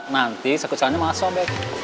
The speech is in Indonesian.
nanti sekutuannya masuk